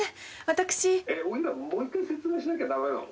私☎オイラもう一回説明しなきゃダメなの？